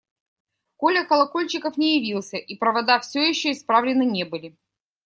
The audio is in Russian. Коля Колокольчиков не явился, и провода все еще исправлены не были.